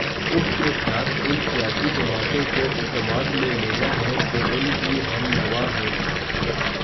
اس کے ساتھ ان سیاسی جماعتوں کو اعتماد میں لینا ہے جو ان کی ہم نوا ہیں۔